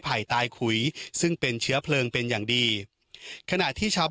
ไตขุยซึ่งเป็นเชื้อเพลิงเป็นอย่างดีขณะที่ชาว